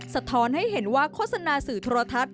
สะท้อนให้เห็นว่าโฆษณาสื่อโทรทัศน